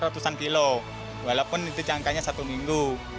kita bisa menangkap ratusan kilo walaupun itu jangkanya satu minggu